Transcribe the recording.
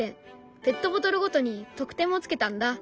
ペットボトルごとに得点もつけたんだ。